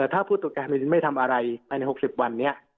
ถ้าผู้ตรวจการแผ่นดินไม่ทำอะไรภายใน๖๐วันนี้